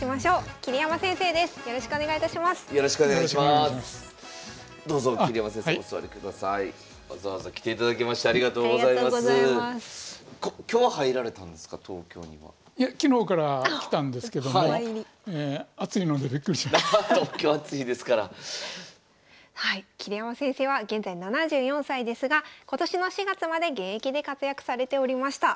桐山先生は現在７４歳ですが今年の４月まで現役で活躍されておりました。